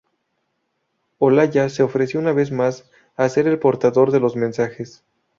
Olaya se ofreció una vez más a ser el portador de los mensajes.